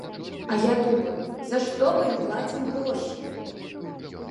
А я думаю, за што мы ім плацім грошы?